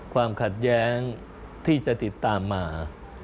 ความขัดแย้งที่จะติดตามมา